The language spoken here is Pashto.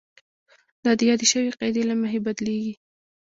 دا د یادې شوې قاعدې له مخې بدلیږي.